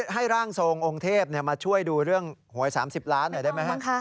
ร่างทรงองค์เทพมาช่วยดูเรื่องหวย๓๐ล้านหน่อยได้ไหมฮะ